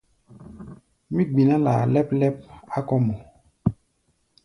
Mí gbiná laa lɛ́p-lɛ́p á kɔ̧́ mɔ.